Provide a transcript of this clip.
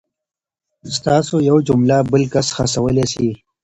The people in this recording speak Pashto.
ستاسو یوه جمله بل کس هڅولی سي.